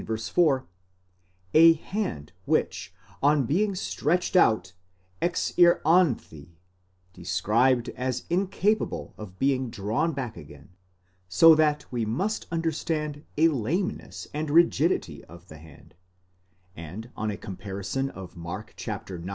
4) a hand which, on being stretched out, ἐξηράνθη (3), described as incapable of being drawn back again, so that we must understand a lameness and rigidity of the hand; and on a com parison of Mark ix.